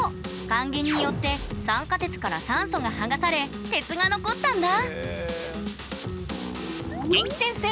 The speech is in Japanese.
還元によって酸化鉄から酸素が剥がされ鉄が残ったんだ元気先生！